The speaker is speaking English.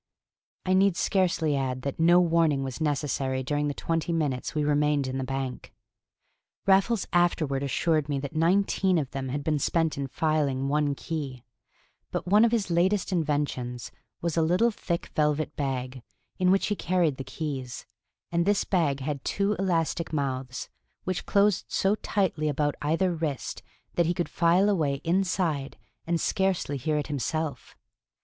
I need scarcely add that no warning was necessary during the twenty minutes we remained in the bank. Raffles afterward assured me that nineteen of them had been spent in filing one key; but one of his latest inventions was a little thick velvet bag in which he carried the keys; and this bag had two elastic mouths, which closed so tightly about either wrist that he could file away, inside, and scarcely hear it himself.